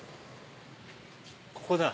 ここだ！